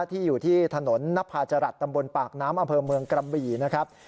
ที่อยู่ที่ถนนนภาจรัฐตำบลปากน้ำอเมืองกรัมหวีนะครับ